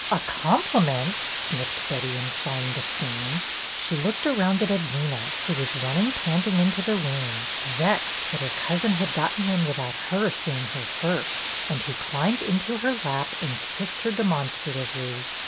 A compliment !" sniffed Betty, in fine disdain. She looked around at Edwyna, who was run ning, panting, into the room, vexed that her BETTY'S CLIENT 301 cousin had gotten in without her seeing her first, and who climbed into her lap and kissed her demonstratively.